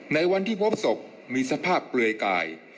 ในวันที่พบศพมีสภาพเปลือยกาย